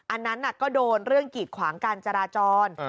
อันนั้นก็โดนเรื่องกีดขวางการจราจร